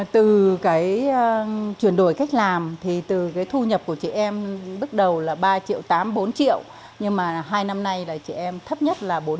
từ cái chuyển đổi cách làm thì từ cái thu nhập của chị em bước đầu là ba triệu tám triệu bốn triệu nhưng mà hai năm nay là chị em thấp hơn